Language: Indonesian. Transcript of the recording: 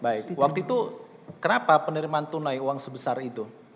waktu itu kenapa penerimaan tunai uang sebesar itu